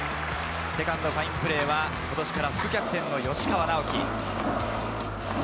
セカンド、ファインプレーは今年から副キャプテンの吉川尚輝。